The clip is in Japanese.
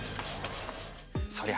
そりゃ